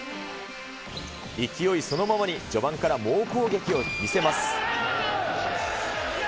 勢いそのままに、序盤から猛攻撃を見せます。